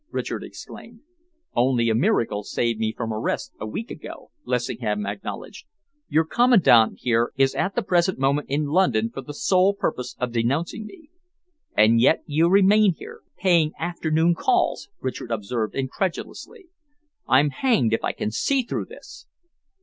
Richard exclaimed. "Only a miracle saved me from arrest a week ago," Lessingham acknowledged. "Your Commandant here is at the present moment in London for the sole purpose of denouncing me." "And yet you remain here, paying afternoon calls?" Richard observed incredulously. "I'm hanged if I can see through this!"